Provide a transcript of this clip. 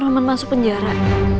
roman masuk penjara